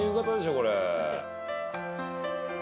これ。